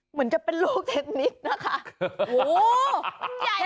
เหมือนกับเป็นลูกเทนนิสนะคะ